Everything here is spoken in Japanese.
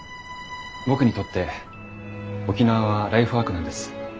僕にとって沖縄はライフワークなんです。